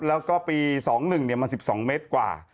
แล้วก็ปี๒๑มัน๑๒เมตรกว่า